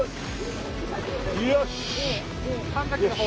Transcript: よし！